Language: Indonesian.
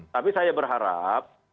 tapi saya berharap